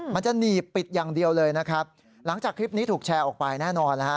มันจะหนีบปิดอย่างเดียวเลยนะครับหลังจากคลิปนี้ถูกแชร์ออกไปแน่นอนแล้วฮะ